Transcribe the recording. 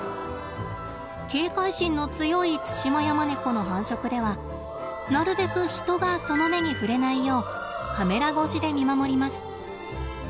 警戒心の強いツシマヤマネコの繁殖ではなるべく人がその目に触れないようカメラ越しで見守ります。